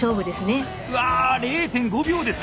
うわ０．５秒ですか。